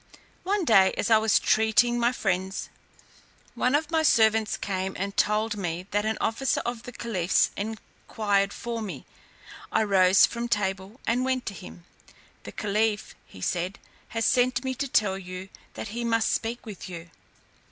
One day as I was treating my friends, one of my servants came and told me that an officer of the caliph's enquired for me. I rose from table, and went to him. "The caliph," he said, "has sent me to tell you, that he must speak with you."